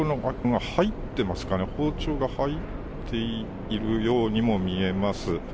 包丁が入っているようにも見えます。